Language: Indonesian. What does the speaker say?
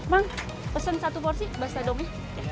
bang pesen satu porsi bastadomie